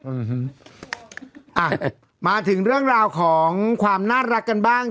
อืมอ่ะมาถึงเรื่องราวของความน่ารักกันบ้าง